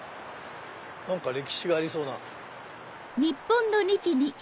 何か歴史がありそうな。